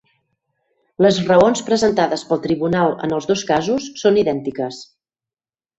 Les raons presentades pel tribunal en els dos casos són idèntiques.